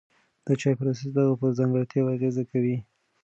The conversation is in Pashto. د چای پروسس د هغه پر ځانګړتیاوو اغېز کوي.